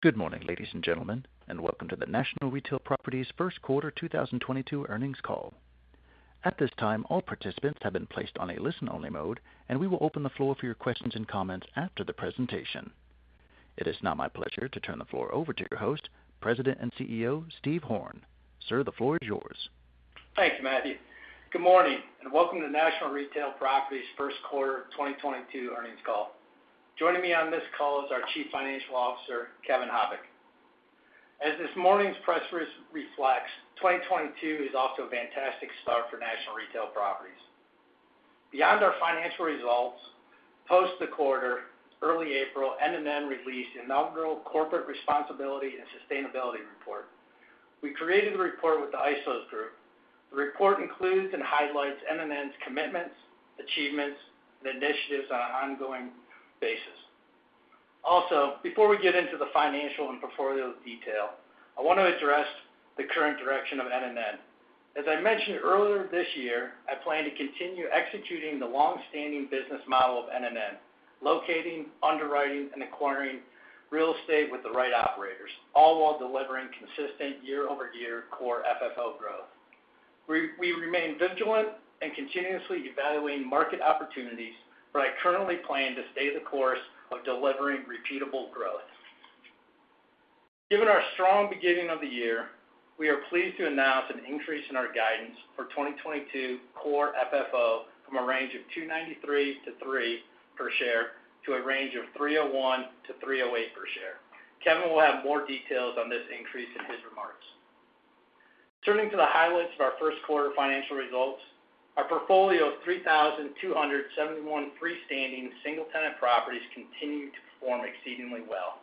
Good morning, ladies and gentlemen, and welcome to the National Retail Properties first quarter 2022 earnings call. At this time, all participants have been placed on a listen-only mode, and we will open the floor for your questions and comments after the presentation. It is now my pleasure to turn the floor over to your host, President and CEO, Steve Horn. Sir, the floor is yours. Thank you, Matthew. Good morning, and welcome to NNN REIT, Inc. first quarter 2022 earnings call. Joining me on this call is our Chief Financial Officer, Kevin Habicht. As this morning's press release reflects, 2022 is off to a fantastic start for NNN REIT, Inc. Beyond our financial results, post the quarter, early April, NNN released the inaugural corporate responsibility and sustainability report. We created the report with the ISOS Group. The report includes and highlights NNN's commitments, achievements, and initiatives on an ongoing basis. Also, before we get into the financial and portfolio detail, I wanna address the current direction of NNN. As I mentioned earlier this year, I plan to continue executing the long-standing business model of NNN, locating, underwriting, and acquiring real estate with the right operators, all while delivering consistent year-over-year Core FFO growth. We remain vigilant and continuously evaluating market opportunities, but I currently plan to stay the course of delivering repeatable growth. Given our strong beginning of the year, we are pleased to announce an increase in our guidance for 2022 Core FFO from a range of $2.93-$3.00 per share to a range of $3.01-$3.08 per share. Kevin will have more details on this increase in his remarks. Turning to the highlights of our first quarter financial results, our portfolio of 3,271 freestanding single-tenant properties continued to perform exceedingly well.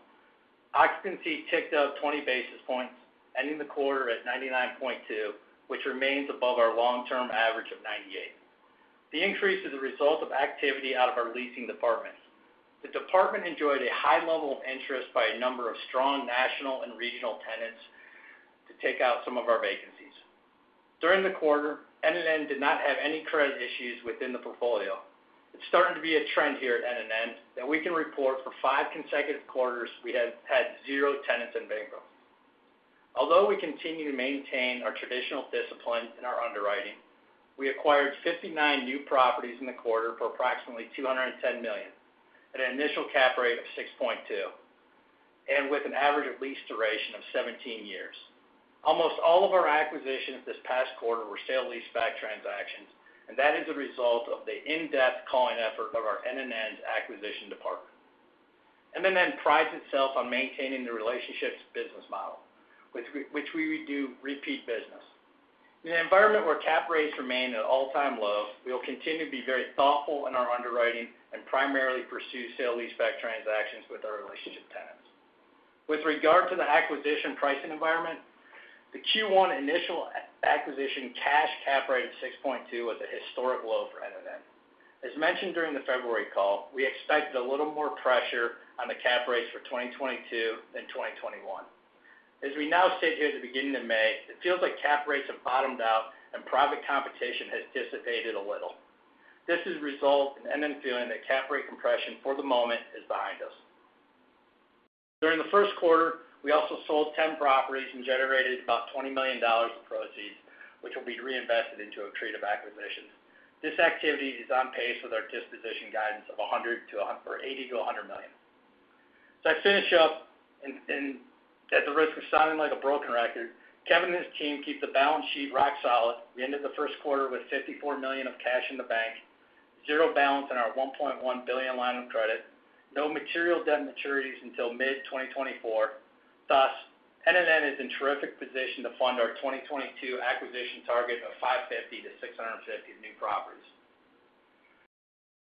Occupancy ticked up 20 basis points, ending the quarter at 99.2%, which remains above our long-term average of 98%. The increase is a result of activity out of our leasing department. The department enjoyed a high level of interest by a number of strong national and regional tenants to take out some of our vacancies. During the quarter, NNN did not have any credit issues within the portfolio. It's starting to be a trend here at NNN that we can report for five consecutive quarters, we had zero tenants in bankruptcy. Although we continue to maintain our traditional discipline in our underwriting, we acquired 59 new properties in the quarter for approximately $210 million, at an initial cap rate of 6.2%, and with an average lease duration of 17 years. Almost all of our acquisitions this past quarter were sale-leaseback transactions, and that is a result of the in-depth calling effort of our NNN's acquisition department. NNN prides itself on maintaining the relationships business model, which we would do repeat business. In an environment where cap rates remain at all-time low, we will continue to be very thoughtful in our underwriting and primarily pursue sale-leaseback transactions with our relationship tenants. With regard to the acquisition pricing environment, the Q1 initial acquisition cash cap rate of 6.2 was a historic low for NNN. As mentioned during the February call, we expected a little more pressure on the cap rates for 2022 than 2021. As we now sit here at the beginning of May, it feels like cap rates have bottomed out and private competition has dissipated a little. This has resulted in NNN feeling that cap rate compression for the moment is behind us. During the first quarter, we also sold 10 properties and generated about $20 million in proceeds, which will be reinvested into accretive acquisitions. This activity is on pace with our disposition guidance of $80 million-$100 million. I finish up and at the risk of sounding like a broken record, Kevin and his team keep the balance sheet rock solid. We ended the first quarter with $54 million of cash in the bank, zero balance in our $1.1 billion line of credit, no material debt maturities until mid-2024. Thus, NNN is in terrific position to fund our 2022 acquisition target of 550-650 new properties.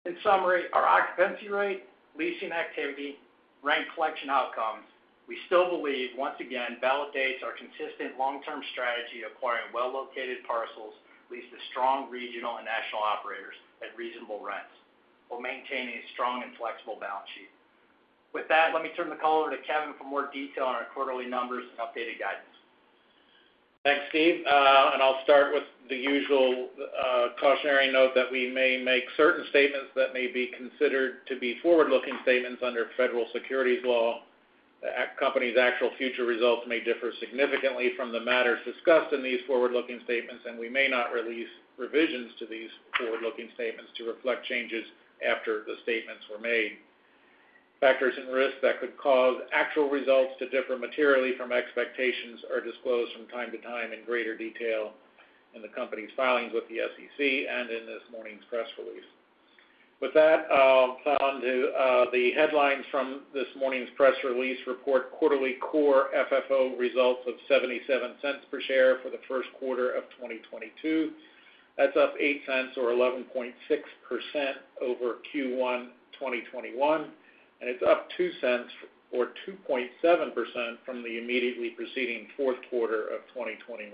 In summary, our occupancy rate, leasing activity, rent collection outcomes, we still believe once again validates our consistent long-term strategy acquiring well-located parcels, leased to strong regional and national operators at reasonable rents while maintaining a strong and flexible balance sheet. With that, let me turn the call over to Kevin for more detail on our quarterly numbers and updated guidance. Thanks, Steve. I'll start with the usual cautionary note that we may make certain statements that may be considered to be forward-looking statements under federal securities law. The company's actual future results may differ significantly from the matters discussed in these forward-looking statements, and we may not release revisions to these forward-looking statements to reflect changes after the statements were made. Factors and risks that could cause actual results to differ materially from expectations are disclosed from time to time in greater detail in the company's filings with the SEC and in this morning's press release. With that, I'll plow into the headlines from this morning's press release. Report quarterly Core FFO results of $0.77 per share for the first quarter of 2022. That's up $0.08 or 11.6% over Q1 2021, and it's up $0.02 or 2.7% from the immediately preceding fourth quarter of 2021.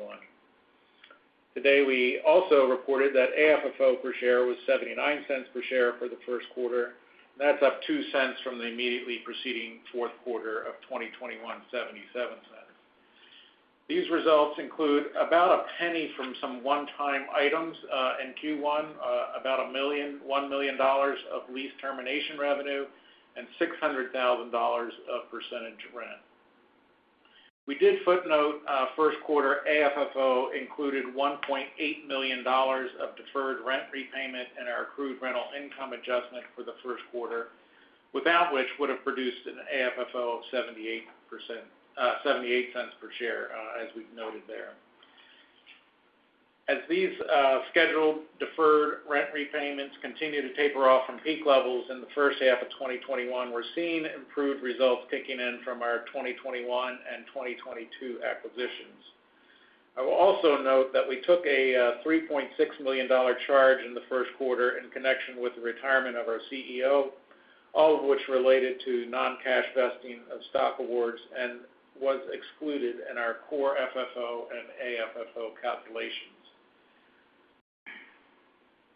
Today, we also reported that AFFO per share was $0.79 per share for the first quarter. That's up $0.02 from the immediately preceding fourth quarter of 2021, $0.77. These results include about a penny from some one-time items in Q1, about $1 million of lease termination revenue, and $600,000 of percentage rent. We did footnote first quarter AFFO included $1.8 million of deferred rent repayment in our accrued rental income adjustment for the first quarter, without which would have produced an AFFO of $0.78 per share, as we've noted there. As these scheduled deferred rent repayments continue to taper off from peak levels in the first half of 2021, we're seeing improved results kicking in from our 2021 and 2022 acquisitions. I will also note that we took a $3.6 million charge in the first quarter in connection with the retirement of our CEO, all of which related to non-cash vesting of stock awards and was excluded in our Core FFO and AFFO calculations.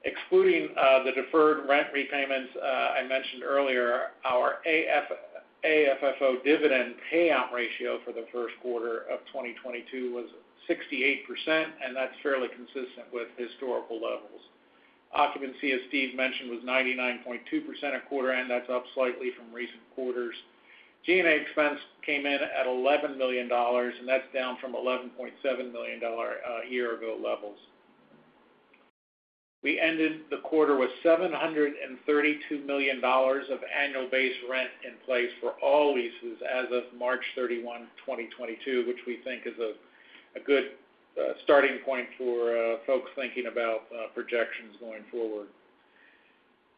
Excluding the deferred rent repayments I mentioned earlier, our AFFO dividend payout ratio for the first quarter of 2022 was 68%, and that's fairly consistent with historical levels. Occupancy, as Steve mentioned, was 99.2% at quarter end, that's up slightly from recent quarters. G&A expense came in at $11 million, and that's down from $11.7 million year-ago levels. We ended the quarter with $732 million of annual base rent in place for all leases as of March 31, 2022, which we think is a good starting point for folks thinking about projections going forward.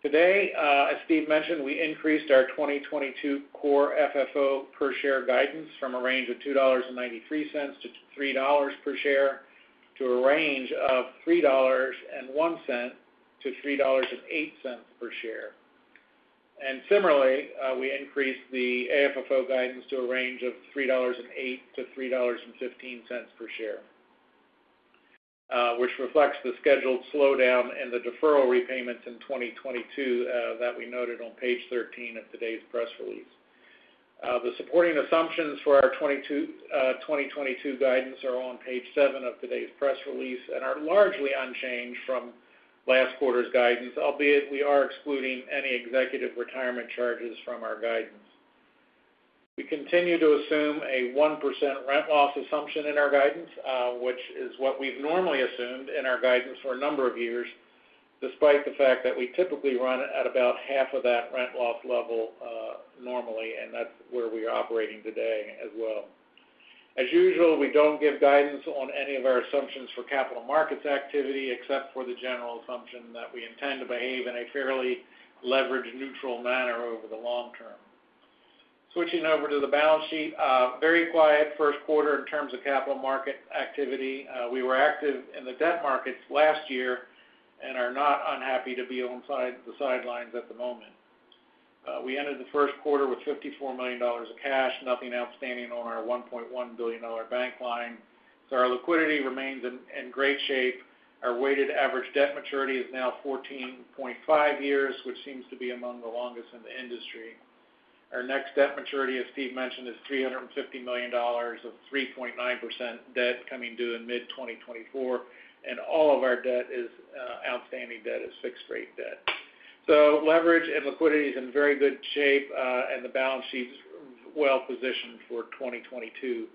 Today, as Steve mentioned, we increased our 2022 Core FFO per share guidance from a range of $2.93-$3.00 per share to a range of $3.01-$3.08 per share. Similarly, we increased the AFFO guidance to a range of $3.08-$3.15 per share, which reflects the scheduled slowdown and the deferral repayments in 2022, that we noted on page 13 of today's press release. The supporting assumptions for our 2022 guidance are on page seven of today's press release and are largely unchanged from last quarter's guidance, albeit we are excluding any executive retirement charges from our guidance. We continue to assume a 1% rent loss assumption in our guidance, which is what we've normally assumed in our guidance for a number of years, despite the fact that we typically run at about half of that rent loss level, normally, and that's where we are operating today as well. As usual, we don't give guidance on any of our assumptions for capital markets activity, except for the general assumption that we intend to behave in a fairly leverage-neutral manner over the long term. Switching over to the balance sheet. Very quiet first quarter in terms of capital market activity. We were active in the debt markets last year and are not unhappy to be onside the sidelines at the moment. We ended the first quarter with $54 million of cash, nothing outstanding on our $1.1 billion bank line. Our liquidity remains in great shape. Our weighted average debt maturity is now 14.5 years, which seems to be among the longest in the industry. Our next debt maturity, as Steve mentioned, is $350 million of 3.9% debt coming due in mid-2024, and all of our outstanding debt is fixed rate debt. Leverage and liquidity is in very good shape, and the balance sheet's well-positioned for 2022.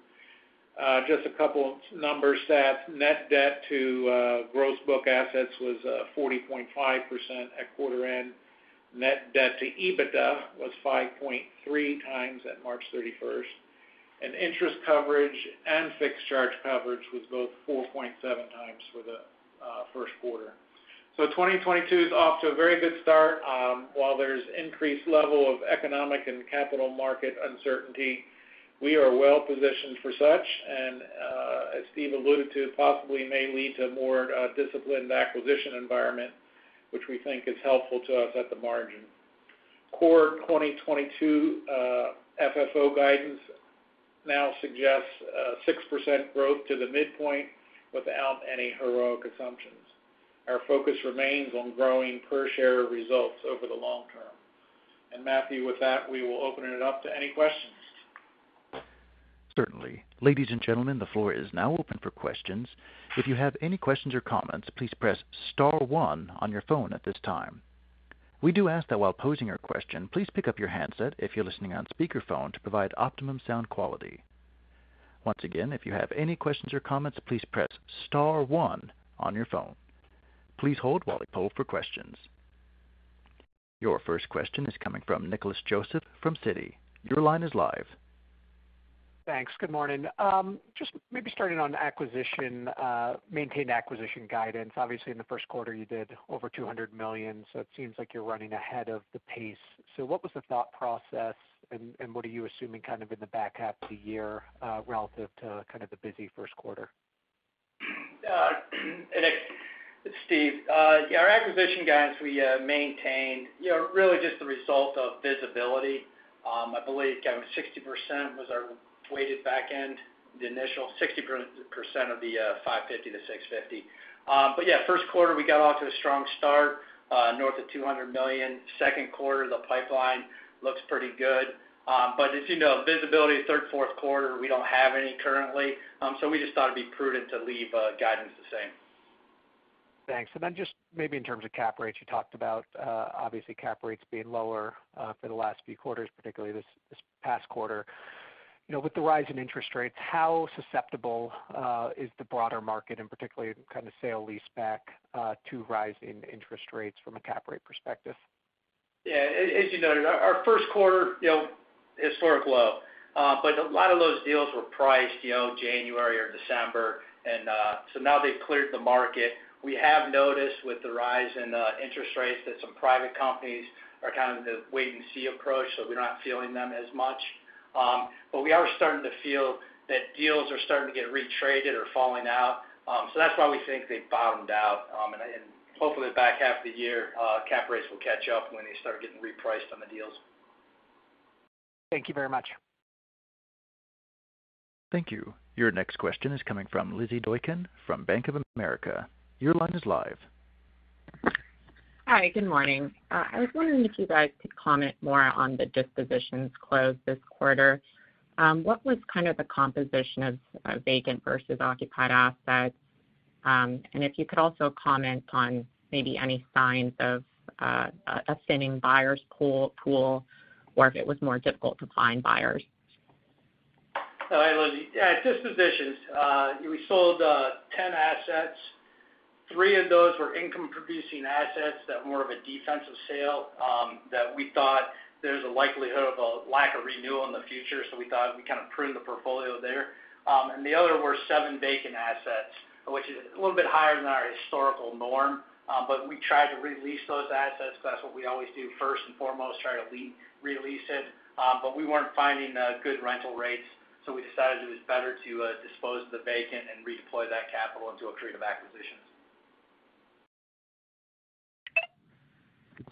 Just a couple numbers. That net debt to gross book assets was 40.5% at quarter end. Net debt to EBITDA was 5.3x at March 31, and interest coverage and fixed charge coverage was both 4.7x for the first quarter. 2022 is off to a very good start. While there's increased level of economic and capital market uncertainty, we are well positioned for such, and as Steve alluded to, possibly may lead to more disciplined acquisition environment, which we think is helpful to us at the margin. Core 2022 FFO guidance now suggests a 6% growth to the midpoint without any heroic assumptions. Our focus remains on growing per share results over the long term. Matthew, with that, we will open it up to any questions. Certainly. Ladies and gentlemen, the floor is now open for questions. If you have any questions or comments, please press star one on your phone at this time. We do ask that while posing your question, please pick up your handset if you're listening on speakerphone to provide optimum sound quality. Once again, if you have any questions or comments, please press star one on your phone. Please hold while we poll for questions. Your first question is coming from Nicholas Joseph from Citi. Your line is live. Thanks. Good morning. Just maybe starting on acquisition, maintained acquisition guidance. Obviously, in the first quarter, you did over $200 million, so it seems like you're running ahead of the pace. What was the thought process, and what are you assuming kind of in the back half of the year, relative to kind of the busy first quarter? It's Steve. Yeah, our acquisition guidance we maintained, you know, really just the result of visibility. I believe, Kevin, 60% was our weighted back end, the initial 60% of the $550-$650. Yeah, first quarter, we got off to a strong start, north of $200 million. Second quarter, the pipeline looks pretty good. As you know, visibility third, fourth quarter, we don't have any currently. We just thought it'd be prudent to leave guidance the same. Thanks. Just maybe in terms of cap rates, you talked about obviously cap rates being lower for the last few quarters particularly this past quarter. You know, with the rise in interest rates, how susceptible is the broader market and particularly kind of sale-leaseback to rise in interest rates from a cap rate perspective? Yeah. As you noted, our first quarter, you know, historic low. A lot of those deals were priced, you know, January or December, and now they've cleared the market. We have noticed with the rise in interest rates that some private companies are kind of the wait and see approach, so we're not feeling them as much. We are starting to feel that deals are starting to get retraded or falling out. That's why we think they bottomed out. Hopefully back half of the year, cap rates will catch up when they start getting repriced on the deals. Thank you very much. Thank you. Your next question is coming from Lizzy Doykan from Bank of America. Your line is live. Hi. Good morning. I was wondering if you guys could comment more on the dispositions closed this quarter. What was kind of the composition of vacant versus occupied assets? If you could also comment on maybe any signs of a thinning buyers pool, or if it was more difficult to find buyers. All right, Lizzy. Yeah, at dispositions, we sold 10 assets. Three of those were income-producing assets that more of a defensive sale, that we thought there's a likelihood of a lack of renewal in the future, so we thought we kind of pruned the portfolio there. The other were seven vacant assets, which is a little bit higher than our historical norm. We tried to re-lease those assets 'cause that's what we always do first and foremost, try to re-lease it. We weren't finding good rental rates, so we decided it was better to dispose of the vacant and redeploy that capital into accretive acquisitions.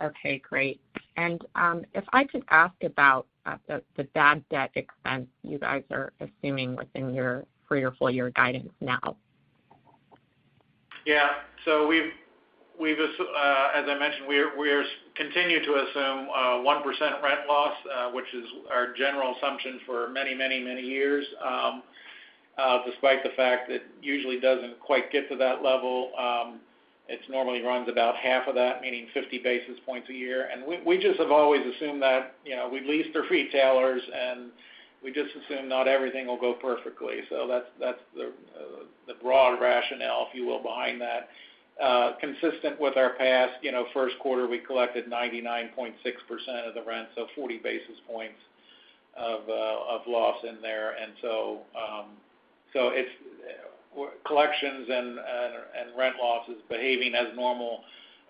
Okay, great. If I could ask about the bad debt expense you guys are assuming within your full year guidance now. Yeah. As I mentioned, we're continuing to assume 1% rent loss, which is our general assumption for many years, despite the fact that usually doesn't quite get to that level. It's normally runs about half of that, meaning 50 basis points a year. We just have always assumed that, you know, we lease for retailers, and we just assume not everything will go perfectly. That's the broad rationale, if you will, behind that. Consistent with our past, you know, first quarter, we collected 99.6% of the rent, so 40 basis points of loss in there. Collections and rent loss is behaving as normal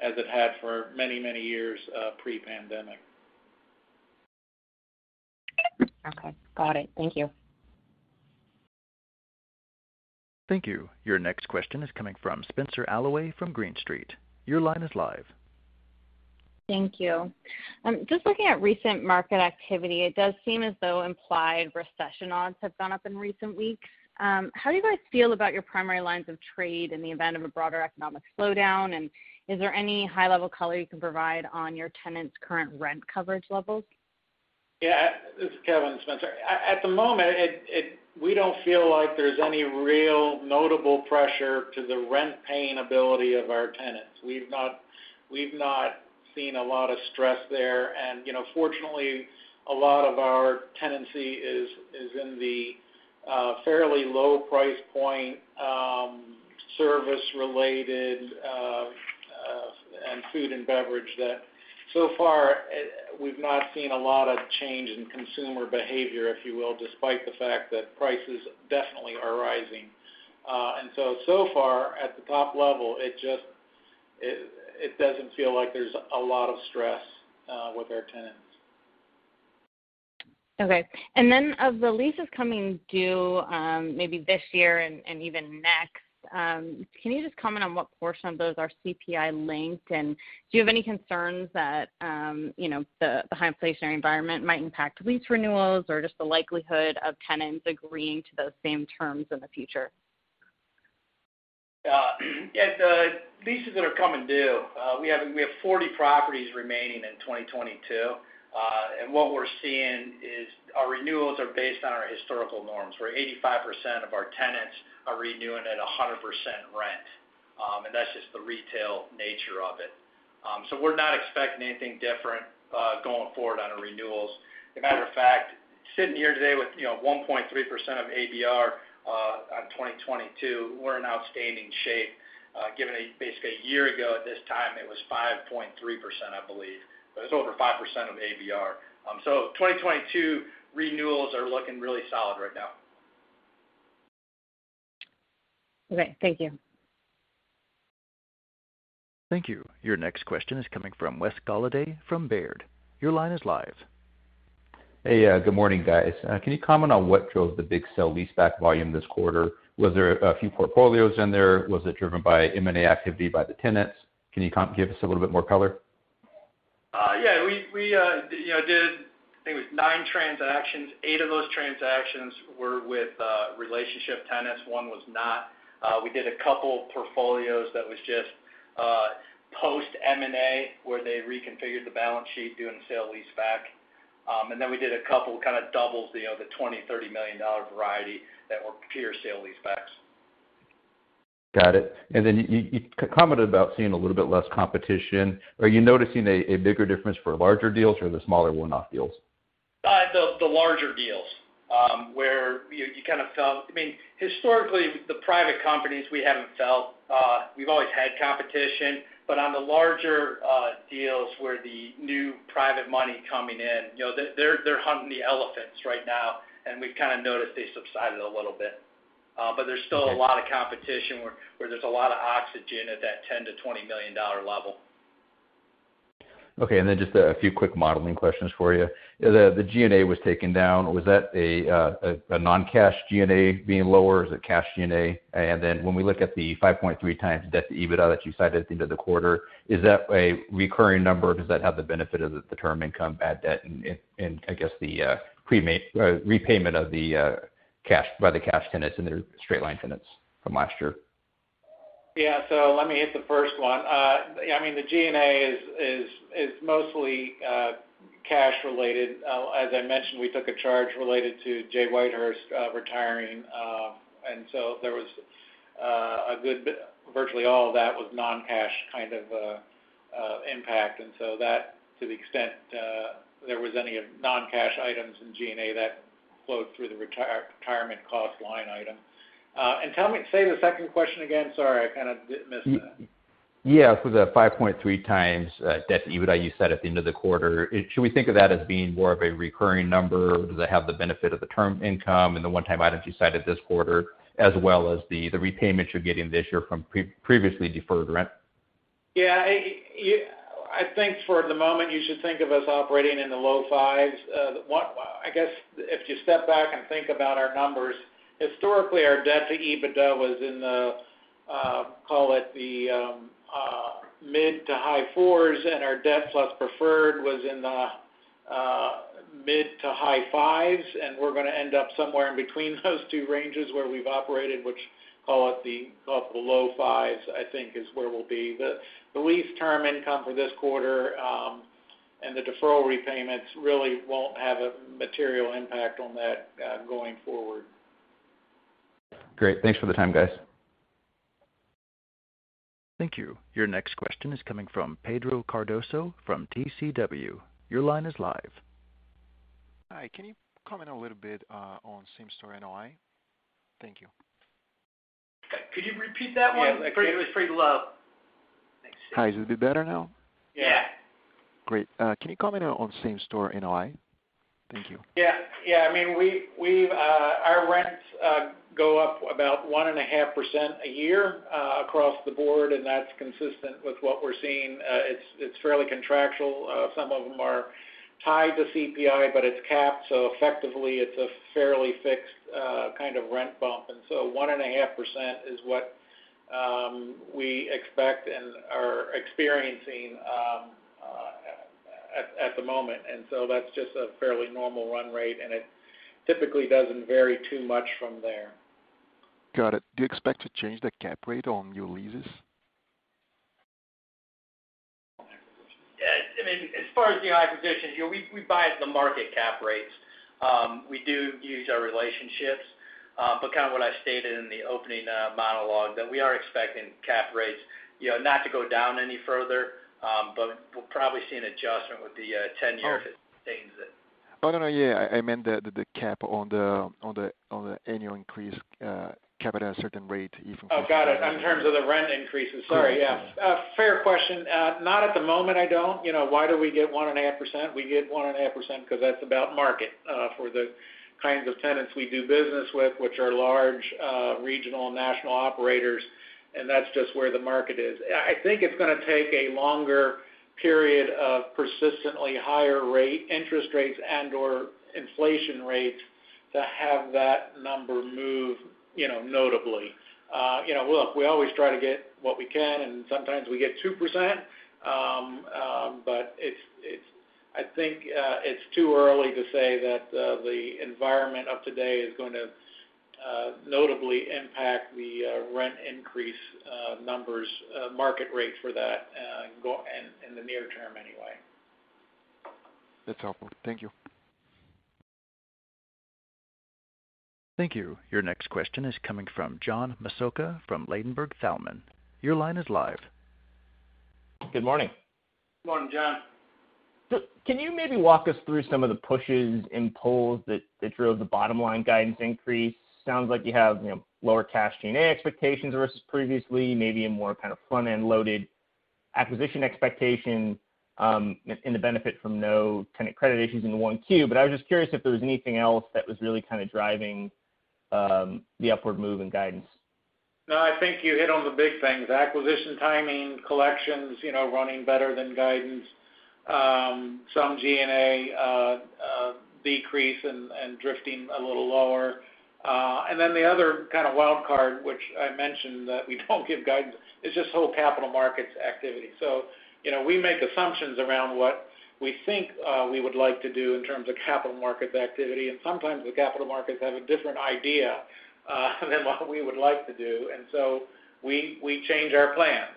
as it had for many years, pre-pandemic. Okay. Got it. Thank you. Thank you. Your next question is coming from Spenser Allaway from Green Street. Your line is live. Thank you. Just looking at recent market activity, it does seem as though implied recession odds have gone up in recent weeks. How do you guys feel about your primary lines of trade in the event of a broader economic slowdown, and is there any high-level color you can provide on your tenants' current rent coverage levels? This is Kevin, Spenser. At the moment, we don't feel like there's any real notable pressure to the rent paying ability of our tenants. We've not seen a lot of stress there. You know, fortunately, a lot of our tenancy is in the fairly low price point, service related, and food and beverage that so far we've not seen a lot of change in consumer behavior, if you will, despite the fact that prices definitely are rising. So far at the top level, it just doesn't feel like there's a lot of stress with our tenants. Okay. Then of the leases coming due, maybe this year and even next, can you just comment on what portion of those are CPI linked? Do you have any concerns that, you know, the high inflationary environment might impact lease renewals or just the likelihood of tenants agreeing to those same terms in the future? Yeah. The leases that are coming due, we have 40 properties remaining in 2022. What we're seeing is our renewals are based on our historical norms, where 85% of our tenants are renewing at 100% rent. That's just the retail nature of it. We're not expecting anything different, going forward on our renewals. A matter of fact, sitting here today with, you know, 1.3% of ABR on 2022, we're in outstanding shape, given basically a year ago at this time it was 5.3%, I believe. It's over 5% of ABR. 2022 renewals are looking really solid right now. Okay. Thank you. Thank you. Your next question is coming from Wes Golladay from Baird. Your line is live. Hey. Good morning, guys. Can you comment on what drove the big sale-leaseback volume this quarter? Was there a few portfolios in there? Was it driven by M&A activity by the tenants? Can you give us a little bit more color? Yeah. We you know did, I think it was nine transactions. Eight of those transactions were with relationship tenants, one was not. We did a couple portfolios that was just. Post M&A, where they reconfigured the balance sheet doing the sale-leaseback. We did a couple kind of deals, you know, the $20 million-$30 million variety that were pure sale-leasebacks. Got it. You commented about seeing a little bit less competition. Are you noticing a bigger difference for larger deals or the smaller one-off deals? The larger deals where you kind of felt, I mean, historically, the private companies, we haven't felt. We've always had competition. On the larger deals where the new private money coming in, you know, they're hunting the elephants right now, and we've kinda noticed they've subsided a little bit. There's still Okay. A lot of competition where there's a lot of oxygen at that $10 million-$20 million level. Okay. Then just a few quick modeling questions for you. The G&A was taken down. Was that a non-cash G&A being lower? Is it cash G&A? Then when we look at the 5.3x debt to EBITDA that you cited at the end of the quarter, is that a recurring number, or does that have the benefit of the term income, bad debt and I guess the prepaid repayment of the cash by the cash tenants and their straight-line tenants from last year? Yeah. Let me hit the first one. I mean, the G&A is mostly cash related. As I mentioned, we took a charge related to Jay Whitehurst retiring. There was virtually all of that was non-cash kind of impact. That, to the extent there was any non-cash items in G&A that flowed through the retirement cost line item. Tell me. Say the second question again. Sorry, I kind of missed that. Yeah. For the 5.3x debt to EBITDA you said at the end of the quarter. Should we think of that as being more of a recurring number? Does that have the benefit of the term income and the one-time items you cited this quarter, as well as the repayments you're getting this year from previously deferred rent? Yeah. I think for the moment, you should think of us operating in the low-5s. I guess if you step back and think about our numbers, historically, our debt to EBITDA was in the, call it the, mid- to high-4s, and our debt plus preferred was in the mid- to high-5s, and we're gonna end up somewhere in between those two ranges where we've operated, which call it the low-5s, I think is where we'll be. The lease term income for this quarter, and the deferral repayments really won't have a material impact on that, going forward. Great. Thanks for the time, guys. Thank you. Your next question is coming from Pedro Cardoso from TCW. Your line is live. Hi. Can you comment a little bit on same-store NOI? Thank you. Could you repeat that one? Yeah. It was pretty low. Hi. Is it better now? Yeah. Great. Can you comment on same-store NOI? Thank you. Yeah. I mean, our rents go up about 1.5% a year across the board, and that's consistent with what we're seeing. It's fairly contractual. Some of them are tied to CPI, but it's capped, so effectively, it's a fairly fixed kind of rent bump. 1.5% is what we expect and are experiencing at the moment. That's just a fairly normal run rate, and it typically doesn't vary too much from there. Got it. Do you expect to change the cap rate on new leases? Yeah. I mean, as far as the acquisitions, you know, we buy at the market cap rates. We do use our relationships, but kind of what I stated in the opening monologue, that we are expecting cap rates, you know, not to go down any further, but we'll probably see an adjustment with the 10-year if it stays it. Oh, no, yeah. I meant the cap on the annual increase, cap at a certain rate even- Oh, got it. In terms of the rent increases. Sorry, yeah. Fair question. Not at the moment, I don't. You know, why do we get 1.5%? We get 1.5% because that's about market for the kinds of tenants we do business with, which are large regional and national operators, and that's just where the market is. I think it's gonna take a longer period of persistently higher interest rates and/or inflation rates to have that number move, you know, notably. You know, look, we always try to get what we can, and sometimes we get 2%, but it's I think it's too early to say that the environment of today is gonna notably impact the rent increase numbers, market rates for that in the near term anyway. That's helpful. Thank you. Thank you. Your next question is coming from John Massocca from Ladenburg Thalmann. Your line is live. Good morning. Morning, John. Can you maybe walk us through some of the pushes and pulls that drove the bottom-line guidance increase? Sounds like you have, you know, lower cash G&A expectations versus previously, maybe a more kind of front-end loaded acquisition expectation, in the benefit from no tenant credit issues into 1Q. But I was just curious if there was anything else that was really kind of driving the upward move in guidance. No, I think you hit on the big things. Acquisition timing, collections, you know, running better than guidance, some G&A decrease and drifting a little lower. Then the other kind of wild card, which I mentioned that we don't give guidance, is just whole capital markets activity. You know, we make assumptions around what we think we would like to do in terms of capital markets activity, and sometimes the capital markets have a different idea than what we would like to do, and so we change our plans.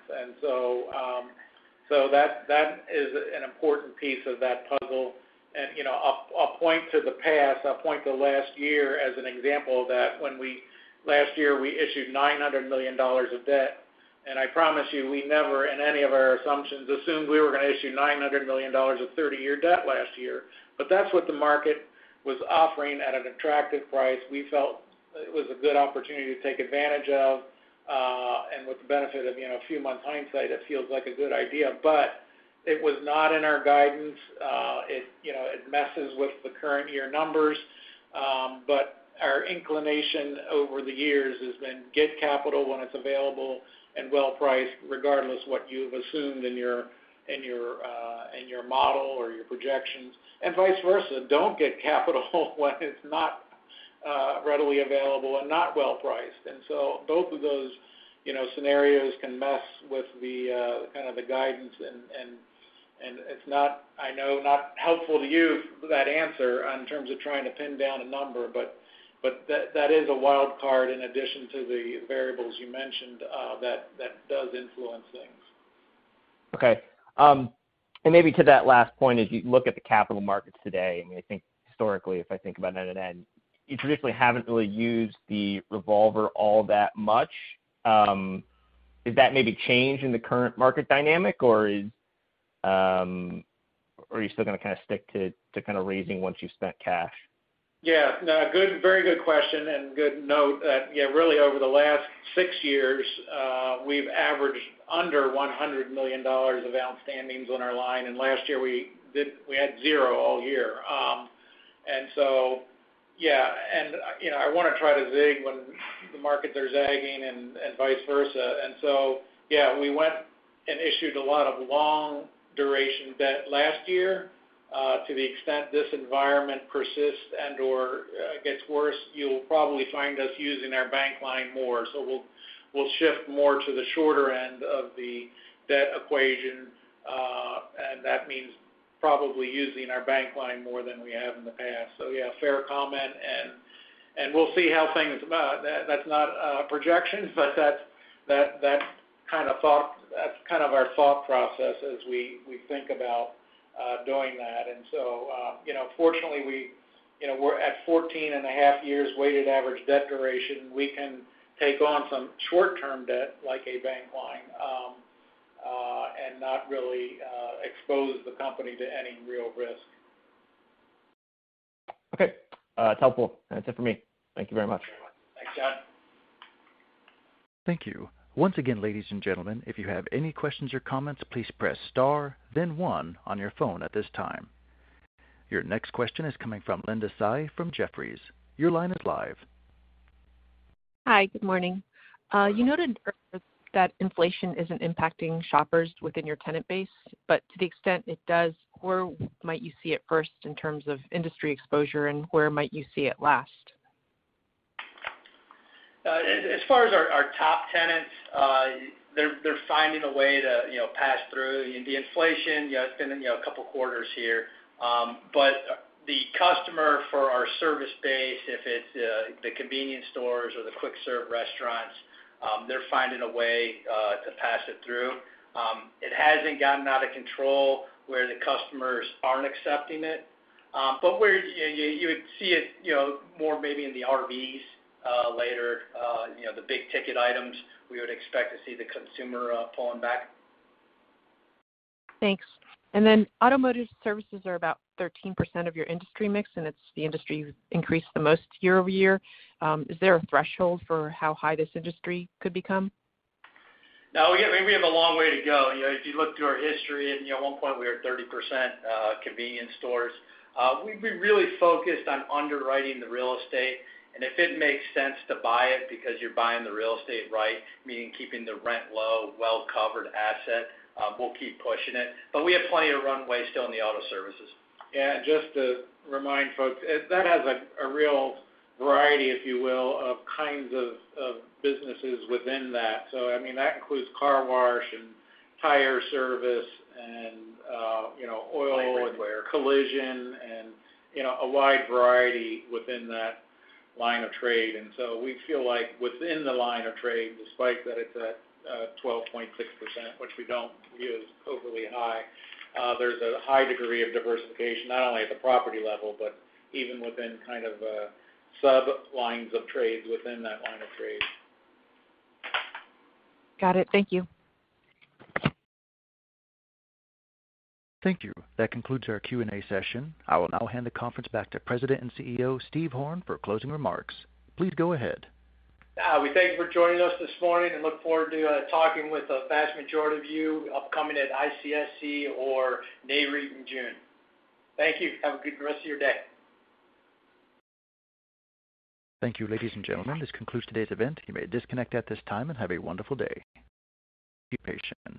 That is an important piece of that puzzle. You know, I'll point to the past, last year as an example of that when last year we issued $900 million of debt. I promise you, we never in any of our assumptions assumed we were gonna issue $900 million of 30-year debt last year. That's what the market was offering at an attractive price. We felt it was a good opportunity to take advantage of, and with the benefit of, you know, a few months hindsight, it feels like a good idea. It was not in our guidance. It, you know, messes with the current year numbers. Our inclination over the years has been get capital when it's available and well-priced, regardless what you've assumed in your model or your projections. Vice versa, don't get capital when it's not readily available and not well-priced. Both of those, you know, scenarios can mess with the kind of the guidance and it's not, I know, not helpful to you, that answer, in terms of trying to pin down a number, but that is a wild card in addition to the variables you mentioned, that does influence things. Okay. Maybe to that last point, as you look at the capital markets today, I mean, I think historically, if I think about NNN, you traditionally haven't really used the revolver all that much. Is that maybe changed in the current market dynamic, or are you still gonna kinda stick to kinda raising once you've spent cash? No, very good question, and good note. Really over the last six years, we've averaged under $100 million of outstandings on our line, and last year we had zero all year. You know, I wanna try to zig when the markets are zagging, and vice versa. We went and issued a lot of long duration debt last year. To the extent this environment persists and/or gets worse, you'll probably find us using our bank line more. We'll shift more to the shorter end of the debt equation, and that means probably using our bank line more than we have in the past. Fair comment, and we'll see how things. That's not a projection, but that's the kind of thought. That's kind of our thought process as we think about doing that. You know, fortunately, we you know we're at 14.5 years weighted average debt duration. We can take on some short-term debt, like a bank line, and not really expose the company to any real risk. Okay. It's helpful. That's it for me. Thank you very much. Thanks, John. Thank you. Once again, ladies and gentlemen, if you have any questions or comments, please press star then one on your phone at this time. Your next question is coming from Linda Tsai from Jefferies. Your line is live. Hi, good morning. You noted earlier that inflation isn't impacting shoppers within your tenant base, but to the extent it does, where might you see it first in terms of industry exposure, and where might you see it last? As far as our top tenants, they're finding a way to, you know, pass through the inflation. It's been in, you know, a couple quarters here. The customer for our service base, if it's the convenience stores or the quick serve restaurants, they're finding a way to pass it through. It hasn't gotten out of control where the customers aren't accepting it. Where you would see it, you know, more maybe in the RVs later, you know, the big-ticket items, we would expect to see the consumer pulling back. Thanks. Automotive services are about 13% of your industry mix, and it's the industry you've increased the most year-over-year. Is there a threshold for how high this industry could become? No, yeah, we have a long way to go. You know, if you look through our history and, you know, at one point we were at 30% convenience stores. We've been really focused on underwriting the real estate, and if it makes sense to buy it because you're buying the real estate right, meaning keeping the rent low, well-covered asset, we'll keep pushing it. We have plenty of runway still in the auto services. Yeah, just to remind folks, that has a real variety, if you will, of kinds of businesses within that. I mean, that includes car wash and tire service and, you know, oil- Automotive service collision and, you know, a wide variety within that line of trade. We feel like within the line of trade, despite that it's at 12.6%, which we don't view as overly high, there's a high degree of diversification, not only at the property level, but even within kind of sub-lines of trade within that line of trade. Got it. Thank you. Thank you. That concludes our Q&A session. I will now hand the conference back to President and CEO, Steve Horn, for closing remarks. Please go ahead. We thank you for joining us this morning and look forward to talking with a vast majority of you upcoming at ICSC or NAREIT in June. Thank you. Have a good rest of your day. Thank you, ladies and gentlemen. This concludes today's event. You may disconnect at this time, and have a wonderful day. Be patient.